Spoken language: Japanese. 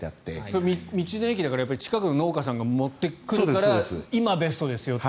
それは道の駅だから近くの農家さんが持ってくるから今、ベストですよと。